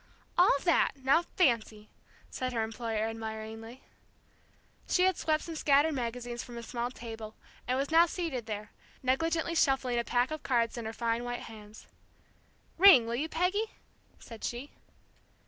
"All that, now fancy!" said her employer, admiringly. She had swept some scattered magazines from a small table, and was now seated there, negligently shuffling a pack of cards in her fine white hands. "Ring, will you, Peggy?" said she.